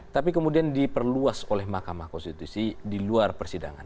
tapi kemudian diperluas oleh mahkamah konstitusi di luar persidangan